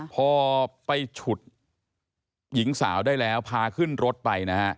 พอไปฉุดหญิงสาวได้แล้วพาเขินรถไป